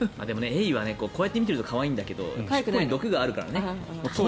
エイはこうやって見てると可愛いんだけど尻尾に毒があるからね。